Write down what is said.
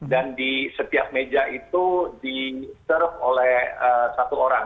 dan di setiap meja itu di serve oleh satu orang